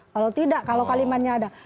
kalau tidak kalau kalimatnya ada